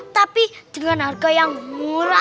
tapi dengan harga yang murah